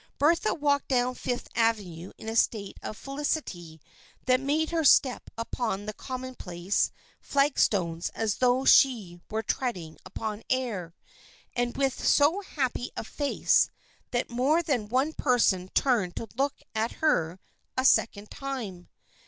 Bertha walked down Fifth Avenue in a state of felicity that made her step upon the commonplace flag stones as though she were treading upon air, and with so happy a face that more than one person turned to look at her a second time.